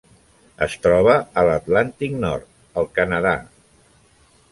Es troba a l'Atlàntic nord: el Canadà.